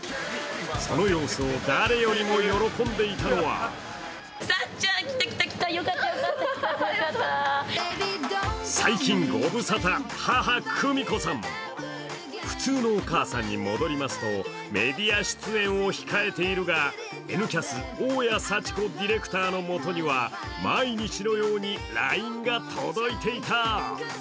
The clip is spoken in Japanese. その様子を誰よりも喜んでいたのは最近ごぶさた母、久美子さん。普通のお母さんに戻りますとメディア出演を控えているが「Ｎキャス」大家さちこディレクターのもとには、毎日のようにＬＩＮＥが届いていた。